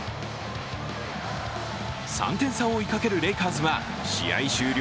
３点差を追いかけるレイカーズは試合終了